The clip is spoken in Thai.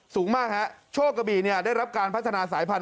สูงมากฮะโชคกะบี่ได้รับการพัฒนาสายพันธ